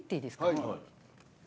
はい。